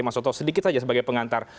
mas joto sedikit aja sebagai pengantar